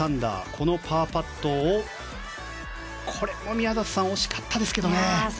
このパーパットこれも宮里さん惜しかったですけどね。